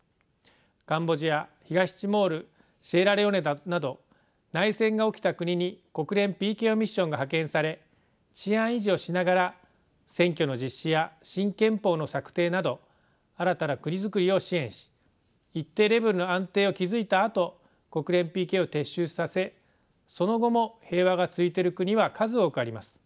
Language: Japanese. カンボジア東ティモールシエラレオネなど内戦が起きた国に国連ＰＫＯミッションが派遣され治安維持をしながら選挙の実施や新憲法の策定など新たな国づくりを支援し一定レベルの安定を築いたあと国連ＰＫＯを撤収させその後も平和が続いている国は数多くあります。